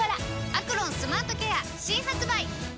「アクロンスマートケア」新発売！